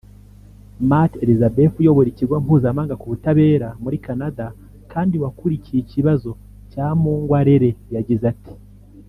Matt Elisabeth uyoboye Ikigo mpuzamahanga ku butabera muri Canada kandi wakurikiye ikibazo cya Mungwarere yagize ati